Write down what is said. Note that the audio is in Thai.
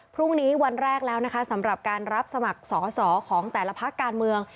พรุ่งนี้วันแรกแล้วนะคะสำหรับการรับสมัครสอสอของแต่ละพักการเมือง